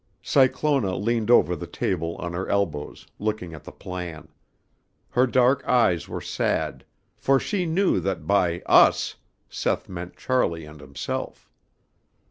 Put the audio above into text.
Cyclona leaned over the table on her elbows, looking at the plan. Her dark eyes were sad, for she knew that by "us," Seth meant Charlie and himself.